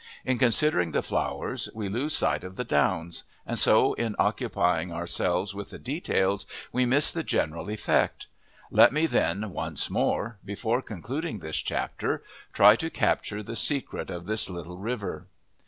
In considering the flowers we lose sight of the downs, and so in occupying ourselves with the details we miss the general effect. Let me then, once more, before concluding this chapter, try to capture the secret of this little river.